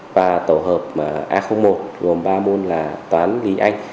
và tổ hợp a một gồm ba môn là toán lý anh